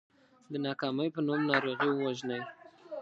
د ناکامۍ په نوم ناروغي ووژنئ .